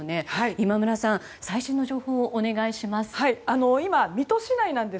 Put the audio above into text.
今村さん、最新の状況をお願いいたします。